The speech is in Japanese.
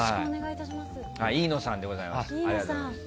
飯野さんでございます。